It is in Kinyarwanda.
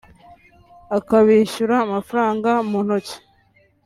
akabishyura amafaranga mu ntoki